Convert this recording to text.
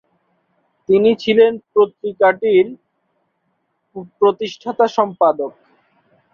তিনি ছিলেন পত্রিকাটির প্রতিষ্ঠাতা সম্পাদক।